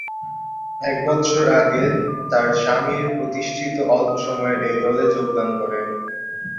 এক বৎসর আগে তার স্বামীর প্রতিষ্ঠিত অল্প সময়ের এই দলে যোগদান করেন।